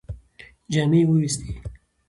جامې یې ووېستې.